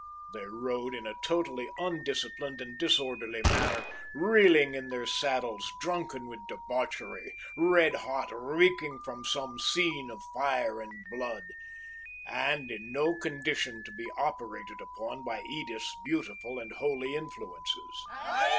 They rode in a totally undisciplined and disorderly manner; reeling in their saddles, drunken with debauchery, red hot, reeking from some scene of fire and blood! And in no condition to be operated upon by Edith's beautiful and holy influences.